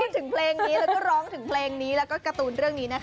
ที่พูดถึงเพลงนี้แล้วก็ร้องถึงเพลงนี้